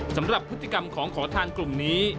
สำหรับพฤติกรรมของขอทานกลุ่มนี้